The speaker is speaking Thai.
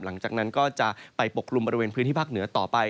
หลังจากนั้นก็จะไปปกกลุ่มบริเวณพื้นที่ภาคเหนือต่อไป